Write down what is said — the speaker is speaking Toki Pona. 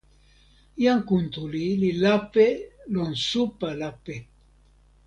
jan Kuntuli li lape lon supa lape.